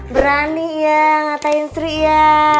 berani ya ngatain sri ya